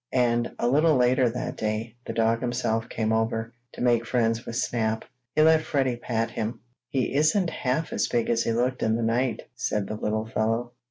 And, a little later that day, the dog himself came over, to make friends with Snap. He let Freddie pat him. "He isn't half as big as he looked in the night," said the little fellow.